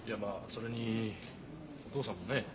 それにお父さんもねえ。